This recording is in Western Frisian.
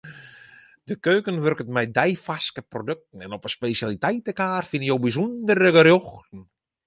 De keuken wurket mei deifarske produkten en op 'e spesjaliteitekaart fine jo bysûndere gerjochten.